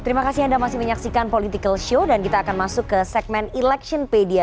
terima kasih anda masih menyaksikan political show dan kita akan masuk ke segmen electionpedia